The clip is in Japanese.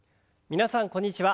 皆さんこんにちは。